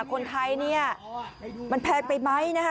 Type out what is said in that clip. คนไทยเนี่ยมันแพงไปไหมนะคะ